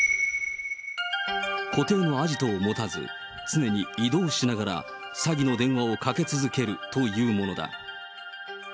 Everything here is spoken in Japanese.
固定のアジトを持たず、常に移動しながら詐欺の電話をかけ続けるというものだ。